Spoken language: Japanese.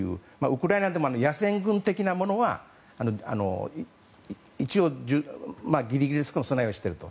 ウクライナでも野戦軍的なものは一応ギリギリですけど備えをしていると。